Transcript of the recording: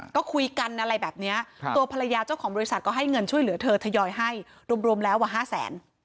ก็คุยกันอะไรแบบนี้ตัวภรรยาเจ้าของบริษัทก็ให้เงินช่วยเหลือเธอทยอยให้รวมแล้ว๕แสน